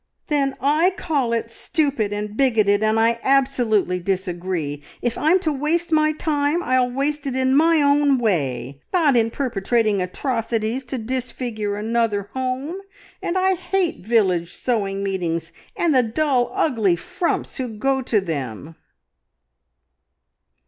"Then I call it stupid and bigoted, and I absolutely disagree. If I'm to waste my time, I'll waste it in my own way, not in perpetrating atrocities to disfigure another home. And I hate village sewing meetings and the dull, ugly frumps who go to them."